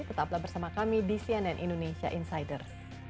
tetaplah bersama kami di cnn indonesia insider